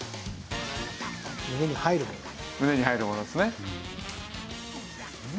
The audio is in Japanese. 胸に入るものですね。